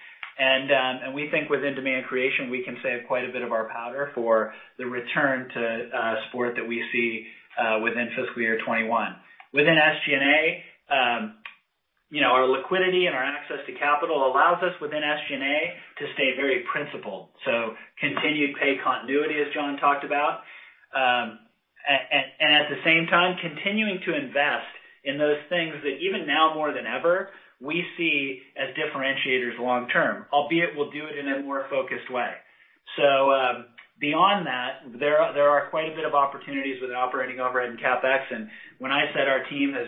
D: We think within demand creation, we can save quite a bit of our powder for the return to sport that we see within fiscal year 2021. Within SG&A, our liquidity and our access to capital allows us within SG&A to stay very principled. Continued pay continuity, as John talked about, and at the same time, continuing to invest in those things that even now, more than ever, we see as differentiators long term, albeit we'll do it in a more focused way. Beyond that, there are quite a bit of opportunities with operating overhead and CapEx, and when I said our team has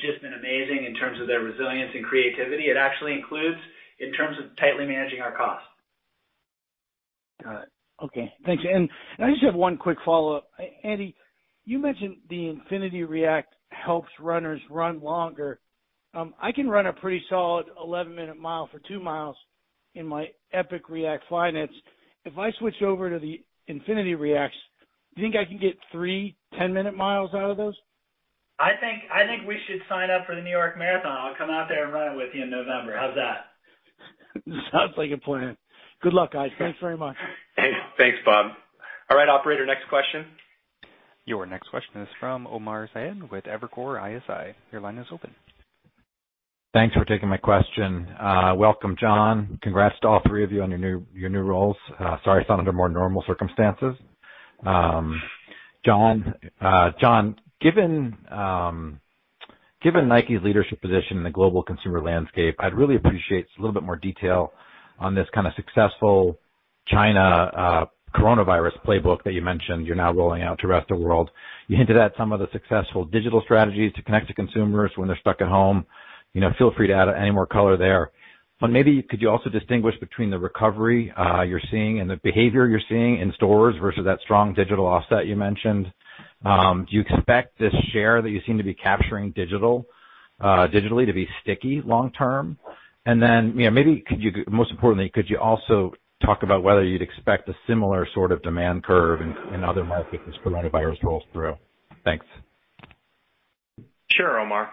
D: just been amazing in terms of their resilience and creativity, it actually includes in terms of tightly managing our cost.
E: Got it. Okay, thanks. I just have one quick follow-up. Andy, you mentioned the Nike React Infinity helps runners run longer. I can run a pretty solid 11-minute mile for two miles in my Nike Epic React Flyknit. If I switch over to the Nike React Infinity, do you think I can get three 10-minute miles out of those?
D: I think we should sign up for the New York Marathon. I'll come out there and run it with you in November. How's that?
E: Sounds like a plan. Good luck, guys. Thanks very much.
C: Hey, thanks, Bob. All right, operator, next question.
A: Your next question is from Omar Saad with Evercore ISI. Your line is open.
F: Thanks for taking my question. Welcome, John. Congrats to all three of you on your new roles. Sorry it's not under more normal circumstances. John, given Nike's leadership position in the global consumer landscape, I'd really appreciate a little bit more detail on this kind of successful China coronavirus playbook that you mentioned you're now rolling out to the rest of world. You hinted at some of the successful digital strategies to connect to consumers when they're stuck at home. Feel free to add any more color there. Maybe could you also distinguish between the recovery you're seeing and the behavior you're seeing in stores versus that strong digital offset you mentioned? Do you expect this share that you seem to be capturing digitally to be sticky long term? Most importantly, could you also talk about whether you'd expect a similar sort of demand curve in other markets as coronavirus rolls through? Thanks.
C: Sure, Omar.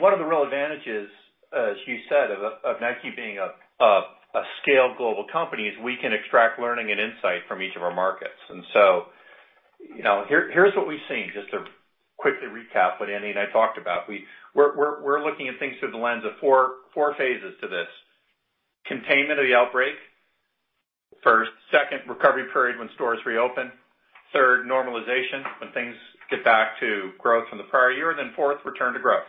C: One of the real advantages, as you said, of Nike being a scaled global company, is we can extract learning and insight from each of our markets. Here's what we've seen, just to quickly recap what Andy and I talked about. We're looking at things through the lens of four phases to this. Containment of the outbreak, first. Second, recovery period when stores reopen. Third, normalization, when things get back to growth from the prior year. Fourth, return to growth.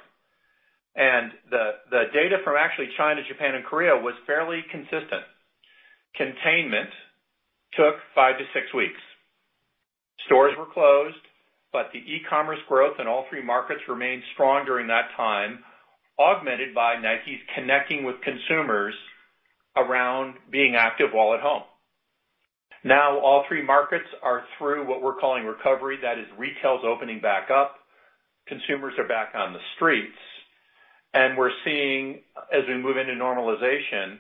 C: The data from actually China, Japan, and Korea was fairly consistent. Containment took five to six weeks. Stores were closed, but the e-commerce growth in all three markets remained strong during that time, augmented by Nike's connecting with consumers around being active while at home. Now, all three markets are through what we're calling recovery. That is, retail is opening back up. Consumers are back on the streets. We're seeing, as we move into normalization,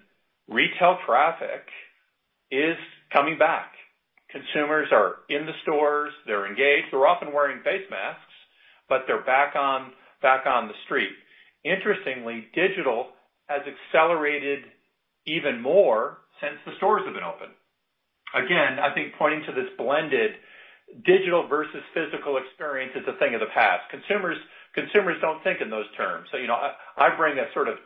C: retail traffic is coming back. Consumers are in the stores. They're engaged. They're often wearing face masks, but they're back on the street. Interestingly, digital has accelerated even more since the stores have been open. Again, I think pointing to this blended digital versus physical experience is a thing of the past. Consumers don't think in those terms. I bring a sort of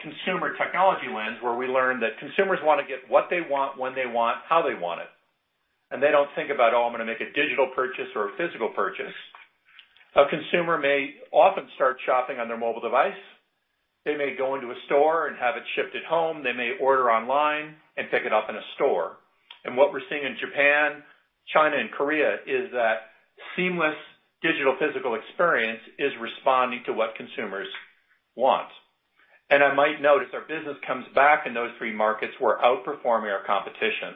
C: consumer technology lens where we learn that consumers want to get what they want, when they want, how they want it. They don't think about, "Oh, I'm going to make a digital purchase or a physical purchase." A consumer may often start shopping on their mobile device. They may go into a store and have it shipped at home. They may order online and pick it up in a store. What we're seeing in Japan, China, and Korea is that seamless digital physical experience is responding to what consumers want. I might note, as our business comes back in those three markets, we're outperforming our competition,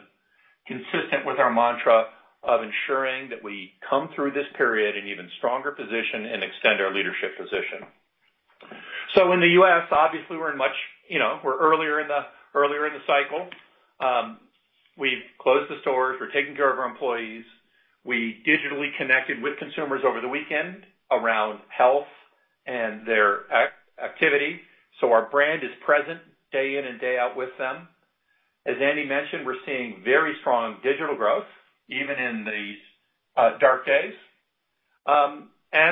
C: consistent with our mantra of ensuring that we come through this period in even stronger position and extend our leadership position. In the U.S., obviously, we're earlier in the cycle. We've closed the stores. We're taking care of our employees. We digitally connected with consumers over the weekend around health and their activity. Our brand is present day in and day out with them. As Andy mentioned, we're seeing very strong digital growth, even in these dark days.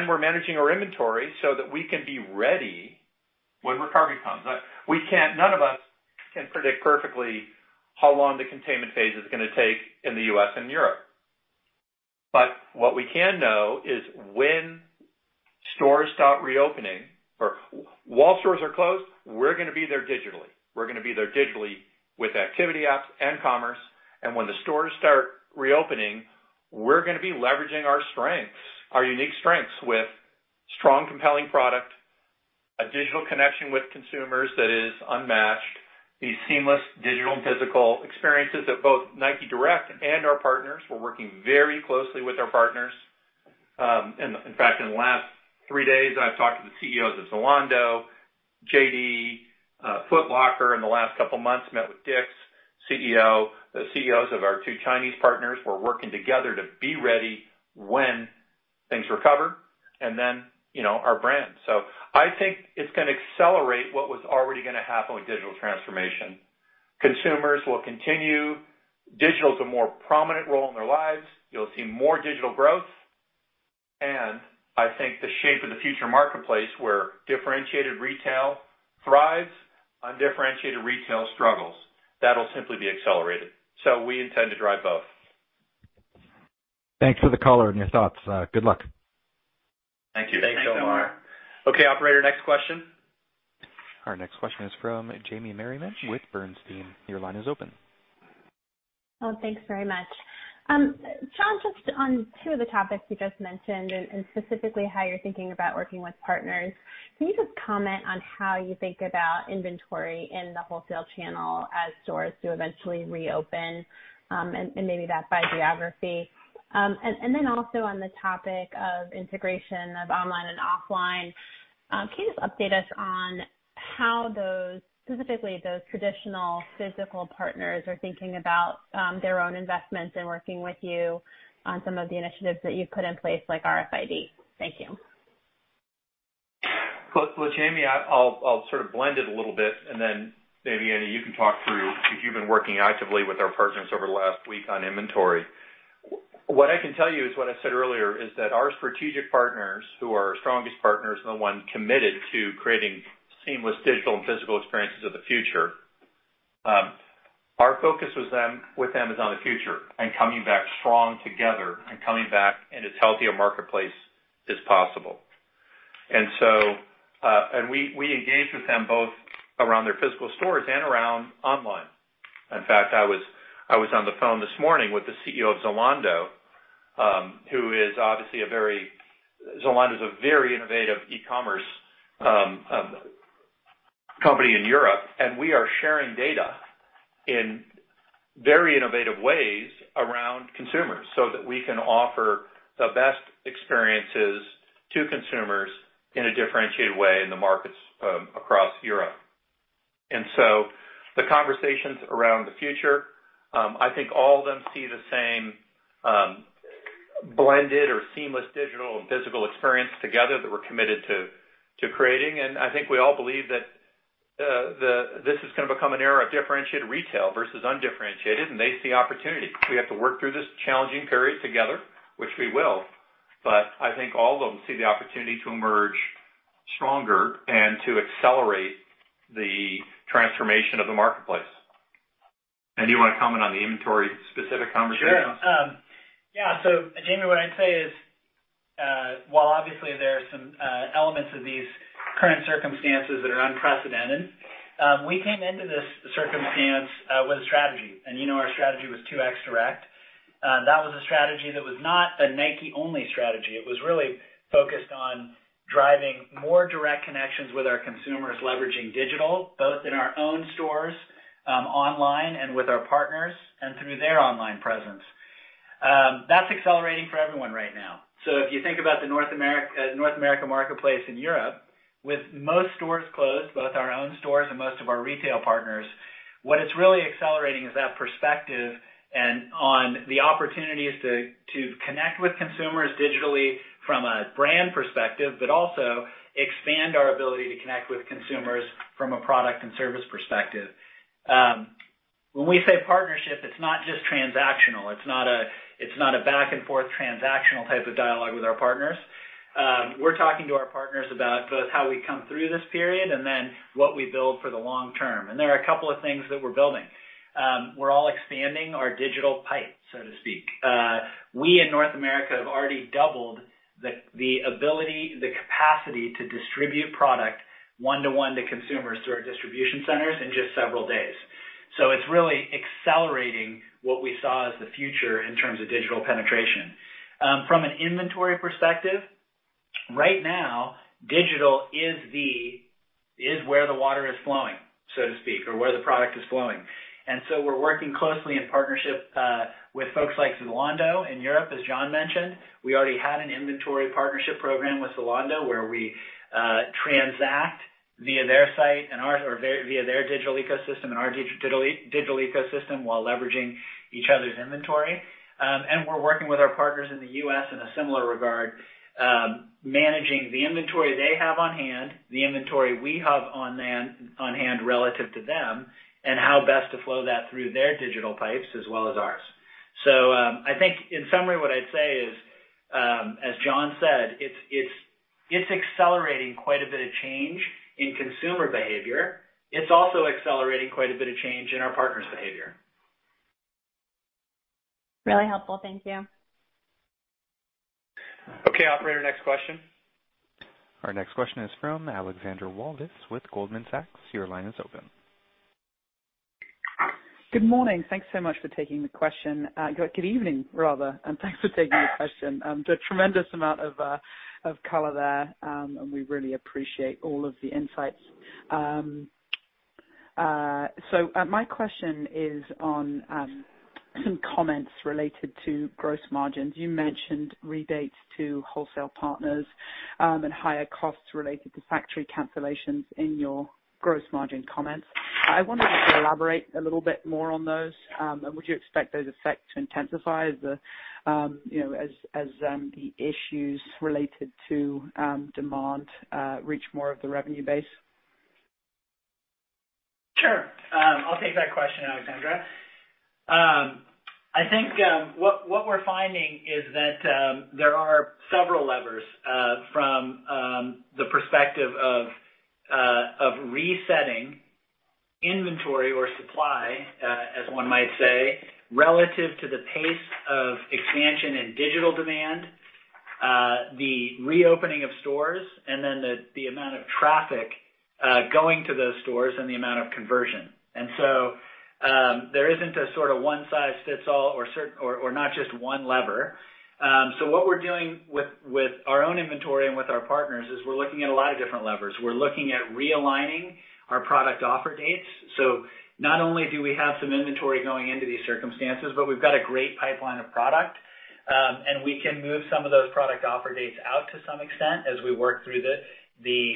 C: We're managing our inventory so that we can be ready when recovery comes. None of us can predict perfectly how long the containment phase is going to take in the U.S. and Europe. What we can know is when stores start reopening or while stores are closed, we're going to be there digitally. We're going to be there digitally with activity apps and commerce. When the stores start reopening, we're going to be leveraging our strengths, our unique strengths with strong, compelling product, a digital connection with consumers that is unmatched, the seamless digital and physical experiences at both NIKE Direct and our partners. We're working very closely with our partners. In fact, in the last three days, I've talked to the CEOs of Zalando, JD, Foot Locker. In the last couple of months, met with DICK'S CEO, the CEOs of our two Chinese partners. We're working together to be ready when things recover and then our brand. I think it's going to accelerate what was already going to happen with digital transformation. Consumers will continue. Digital is a more prominent role in their lives. You'll see more digital growth, and I think the shape of the future marketplace where differentiated retail thrives, undifferentiated retail struggles. That'll simply be accelerated. We intend to drive both.
F: Thanks for the color and your thoughts. Good luck.
C: Thank you.
D: Thanks so much.
C: Okay, operator, next question.
A: Our next question is from Jamie Merriman with Bernstein. Your line is open.
G: Oh, thanks very much. John, just on two of the topics you just mentioned and specifically how you're thinking about working with partners, can you just comment on how you think about inventory in the wholesale channel as stores do eventually reopen, and maybe that by geography? Also on the topic of integration of online and offline, can you just update us on how those, specifically those traditional physical partners are thinking about their own investments in working with you on some of the initiatives that you've put in place, like RFID? Thank you.
C: Look, Jamie, I'll sort of blend it a little bit and then maybe, Andy, you can talk through, because you've been working actively with our partners over the last week on inventory. What I can tell you is what I said earlier, is that our strategic partners who are our strongest partners, are the ones committed to creating seamless digital and physical experiences of the future. Our focus with them is on the future and coming back strong together and coming back in as healthy a marketplace as possible. We engage with them both around their physical stores and around online. In fact, I was on the phone this morning with the CEO of Zalando. Zalando is a very innovative e-commerce company in Europe, and we are sharing data in very innovative ways around consumers so that we can offer the best experiences to consumers in a differentiated way in the markets across Europe. The conversations around the future, I think all of them see the same blended or seamless digital and physical experience together that we're committed to creating. I think we all believe that this is going to become an era of differentiated retail versus undifferentiated, and they see opportunity. We have to work through this challenging period together, which we will. I think all of them see the opportunity to emerge stronger and to accelerate the transformation of the marketplace. Andy, you want to comment on the inventory specific conversation?
D: Sure. Yeah. Jamie, what I'd say is. While obviously there are some elements of these current circumstances that are unprecedented, we came into this circumstance with a strategy, and you know our strategy was 2X Direct. That was a strategy that was not a Nike-only strategy. It was really focused on driving more direct connections with our consumers, leveraging digital, both in our own stores, online, and with our partners, and through their online presence. That's accelerating for everyone right now. If you think about the North America marketplace in Europe, with most stores closed, both our own stores and most of our retail partners, what it's really accelerating is that perspective and on the opportunities to connect with consumers digitally from a brand perspective, but also expand our ability to connect with consumers from a product and service perspective. When we say partnership, it's not just transactional. It's not a back and forth transactional type of dialogue with our partners. We're talking to our partners about both how we come through this period and then what we build for the long term. There are a couple of things that we're building. We're all expanding our digital pipes, so to speak. We, in North America, have already doubled the ability, the capacity to distribute product one-to-one to consumers through our distribution centers in just several days. It's really accelerating what we saw as the future in terms of digital penetration. From an inventory perspective, right now, digital is where the water is flowing, so to speak, or where the product is flowing. We're working closely in partnership with folks like Zalando in Europe, as John mentioned. We already had an inventory partnership program with Zalando where we transact via their digital ecosystem and our digital ecosystem while leveraging each other's inventory. We're working with our partners in the U.S. in a similar regard, managing the inventory they have on hand, the inventory we have on hand relative to them, and how best to flow that through their digital pipes as well as ours. I think in summary, what I'd say is, as John said, it's accelerating quite a bit of change in consumer behavior. It's also accelerating quite a bit of change in our partners' behavior.
G: Really helpful. Thank you.
D: Okay, operator, next question.
A: Our next question is from Alexandra Walvis with Goldman Sachs. Your line is open.
H: Good morning. Thanks so much for taking the question. Good evening, rather, and thanks for taking the question. The tremendous amount of color there, we really appreciate all of the insights. My question is on some comments related to gross margins. You mentioned rebates to wholesale partners and higher costs related to factory cancellations in your gross margin comments. I wonder if you could elaborate a little bit more on those, and would you expect those effects to intensify as the issues related to demand reach more of the revenue base?
D: Sure. I'll take that question, Alexandra. I think what we're finding is that there are several levers from the perspective of resetting inventory or supply, as one might say, relative to the pace of expansion in digital demand, the reopening of stores, and then the amount of traffic going to those stores and the amount of conversion. There isn't a sort of one size fits all or not just one lever. What we're doing with our own inventory and with our partners is we're looking at a lot of different levers. We're looking at realigning our product offer dates. Not only do we have some inventory going into these circumstances, but we've got a great pipeline of product, and we can move some of those product offer dates out to some extent as we work through the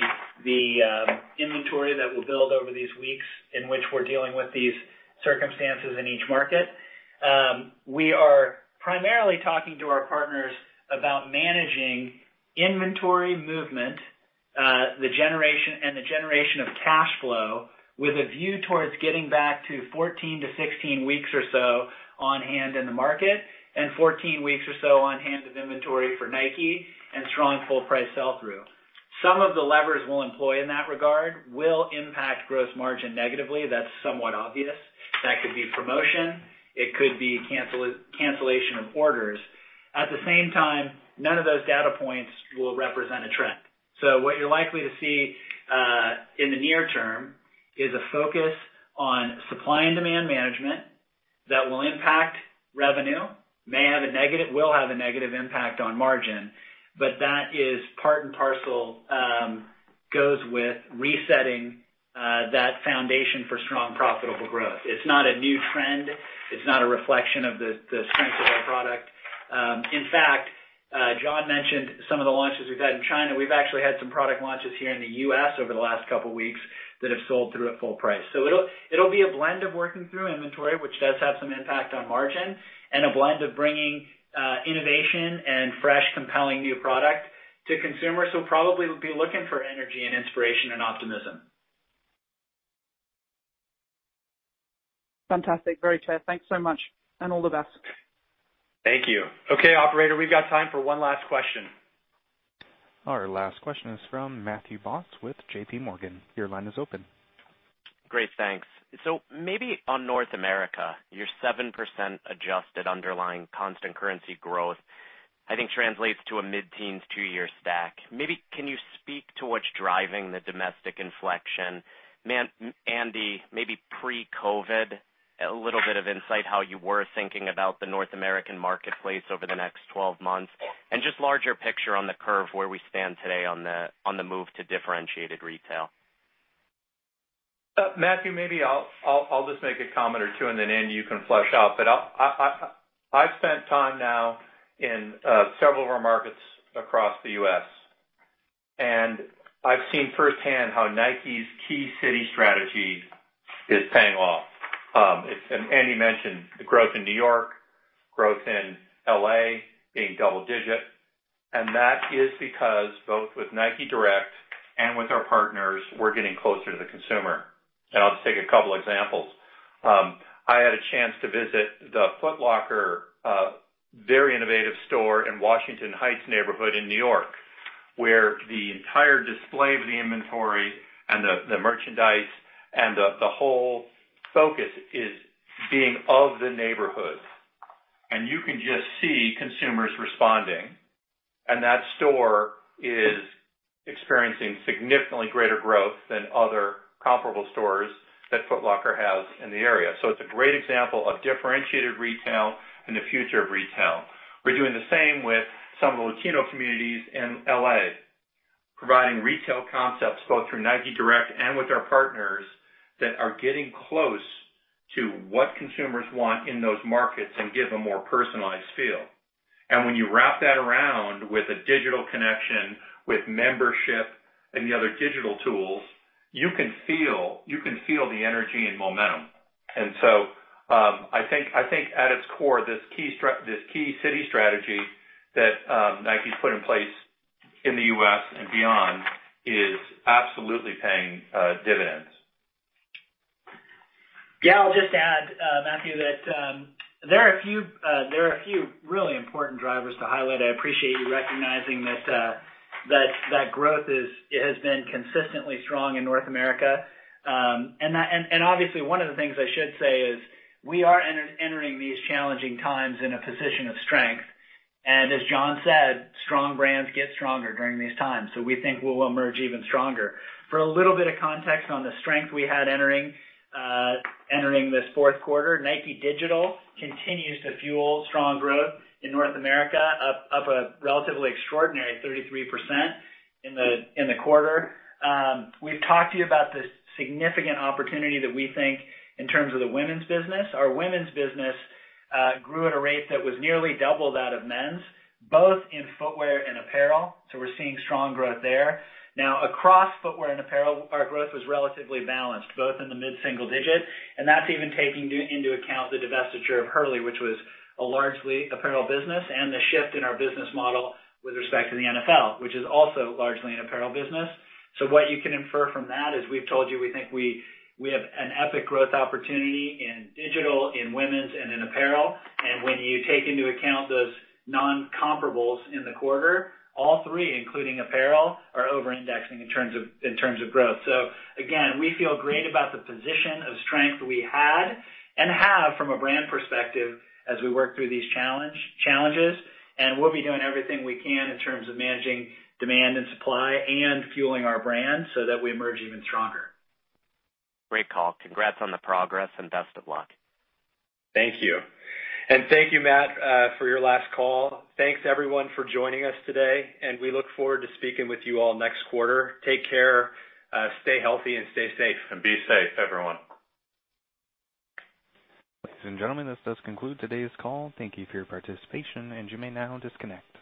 D: inventory that we build over these weeks in which we're dealing with these circumstances in each market. We are primarily talking to our partners about managing inventory movement and the generation of cash flow with a view towards getting back to 14-16 weeks or so on hand in the market and 14 weeks or so on hand of inventory for Nike and strong full price sell-through. Some of the levers we'll employ in that regard will impact gross margin negatively. That's somewhat obvious. That could be promotion, it could be cancellation of orders. At the same time, none of those data points will represent a trend. What you're likely to see in the near term is a focus on supply and demand management that will impact revenue, will have a negative impact on margin, but that is part and parcel, goes with resetting that foundation for strong, profitable growth. It's not a new trend. It's not a reflection of the strength of our product. In fact, John mentioned some of the launches we've had in China. We've actually had some product launches here in the U.S. over the last couple of weeks that have sold through at full price. It'll be a blend of working through inventory, which does have some impact on margin, and a blend of bringing innovation and fresh, compelling new product to consumers who probably will be looking for energy and inspiration and optimism.
H: Fantastic. Very clear. Thanks so much and all the best.
D: Thank you. Okay, operator, we've got time for one last question.
A: Our last question is from Matthew Boss with JPMorgan. Your line is open.
I: Great. Thanks. Maybe on North America, your 7% adjusted underlying constant currency growth, I think translates to a mid-teens two-year stack. Maybe can you speak to what's driving the domestic inflection? Andy, maybe pre-COVID-19, a little bit of insight how you were thinking about the North American marketplace over the next 12 months, and just larger picture on the curve where we stand today on the move to differentiated retail.
C: Matthew, maybe I'll just make a comment or two, then, Andy, you can flesh out. I've spent time now in several of our markets across the U.S., and I've seen firsthand how Nike's key city strategy is paying off. Andy mentioned the growth in New York, growth in L.A. being double-digit, That is because both with NIKE Direct and with our partners, we're getting closer to the consumer. I'll just take a couple examples. I had a chance to visit the Foot Locker, very innovative store in Washington Heights neighborhood in New York, where the entire display of the inventory and the merchandise and the whole focus is being of the neighborhood. You can just see consumers responding. That store is experiencing significantly greater growth than other comparable stores that Foot Locker has in the area. It's a great example of differentiated retail and the future of retail. We're doing the same with some of the Latino communities in L.A., providing retail concepts both through NIKE Direct and with our partners that are getting close to what consumers want in those markets and give a more personalized feel. When you wrap that around with a digital connection, with membership and the other digital tools, you can feel the energy and momentum. I think at its core, this key city strategy that Nike's put in place in the U.S. and beyond is absolutely paying dividends.
D: Yeah, I'll just add, Matthew, that there are a few really important drivers to highlight. I appreciate you recognizing that growth has been consistently strong in North America. Obviously, one of the things I should say is we are entering these challenging times in a position of strength. As John said, strong brands get stronger during these times. We think we'll emerge even stronger. For a little bit of context on the strength we had entering this fourth quarter, Nike Digital continues to fuel strong growth in North America, up a relatively extraordinary 33% in the quarter. We've talked to you about the significant opportunity that we think in terms of the women's business. Our women's business grew at a rate that was nearly double that of men's, both in footwear and apparel. We're seeing strong growth there. Across footwear and apparel, our growth was relatively balanced, both in the mid-single digit, and that's even taking into account the divestiture of Hurley, which was a largely apparel business, and the shift in our business model with respect to the NFL, which is also largely an apparel business. What you can infer from that is we've told you we think we have an epic growth opportunity in digital, in women's, and in apparel. When you take into account those non-comparables in the quarter, all three, including apparel, are over-indexing in terms of growth. Again, we feel great about the position of strength we had and have from a brand perspective as we work through these challenges. We'll be doing everything we can in terms of managing demand and supply and fueling our brand so that we emerge even stronger.
I: Great call. Congrats on the progress and best of luck.
C: Thank you. Thank you, Matt, for your last call. Thanks everyone for joining us today, and we look forward to speaking with you all next quarter. Take care, stay healthy, and stay safe.
D: Be safe, everyone.
A: Ladies and gentlemen, this does conclude today's call. Thank you for your participation, and you may now disconnect.